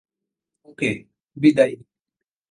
ওকে, বিদায়।